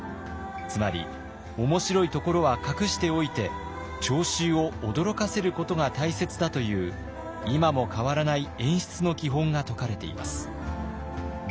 つまり面白いところは隠しておいて聴衆を驚かせることが大切だという今も変わらない演出の基本が説かれています。